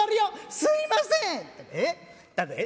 「すいません。